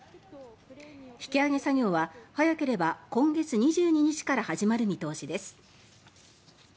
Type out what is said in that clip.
引き揚げ作業は早ければ今月２２日から始まる見通しです。